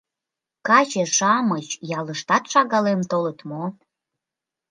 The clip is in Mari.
Каче-шамыч ялыштат шагалем толыт мо?